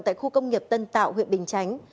tại khu công nghiệp tân tạo huyện bình chánh